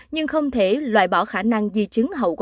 nhưng không thể loại bỏ khả năng di chứng hậu quả